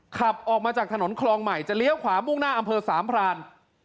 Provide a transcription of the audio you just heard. ขับออกมาจากถนนคลองใหม่จะเลี้ยวขวามุ่งหน้าอำเภอสามพราน